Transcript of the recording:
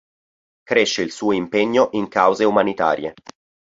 Cresce il suo impegno in cause umanitarie.